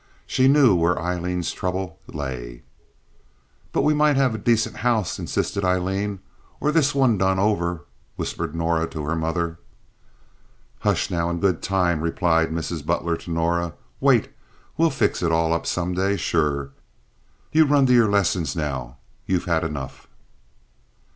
She knew where Aileen's trouble lay. "But we might have a decent house," insisted Aileen. "Or this one done over," whispered Norah to her mother. "Hush now! In good time," replied Mrs. Butler to Norah. "Wait. We'll fix it all up some day, sure. You run to your lessons now. You've had enough."